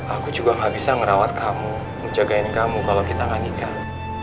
aku juga gak bisa ngerawat kamu menjagain kamu kalau kita nggak nikah